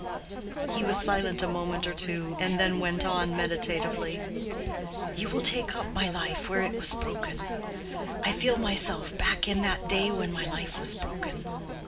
He was silent a moment or two, and then went on meditatively, "You will take up my life where it was broken. I feel myself back in that day when my life was broken.